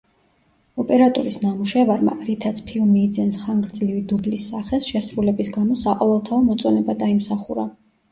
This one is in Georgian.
ოპერატორის ნამუშევარმა, რითაც ფილმი იძენს ხანგრძლივი დუბლის სახეს, შესრულების გამო საყოველთაო მოწონება დაიმსახურა.